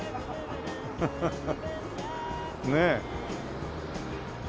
ハハハねえ。